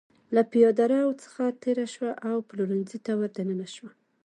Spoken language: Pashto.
له پېاده رو څخه تېره شوه او پلورنځي ته ور دننه شوه.